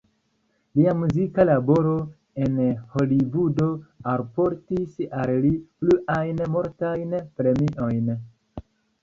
Lia muzika laboro en Holivudo alportis al li pluajn multajn premiojn.